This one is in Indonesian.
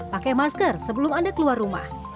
pakai masker sebelum anda keluar rumah